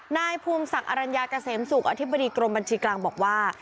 นายภูมิศักดิ์อรัญญาเกษมศุกร์อธิบดีกรมบัญชีกลางบอกว่า